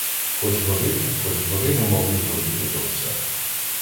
Хоч годину, хоч годину малу забути про все!